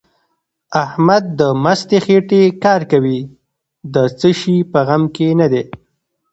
احمد د مستې خېټې کار کوي؛ د څه شي په غم کې نه دی.